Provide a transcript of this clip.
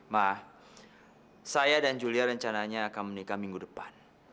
maaf saya dan julia rencananya akan menikah minggu depan